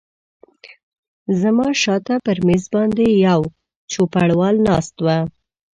زما شاته پر مېز باندې یو چوپړوال ناست و.